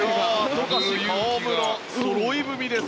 富樫、河村そろい踏みです。